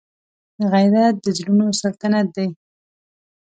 غیرت د زړونو سلطنت دی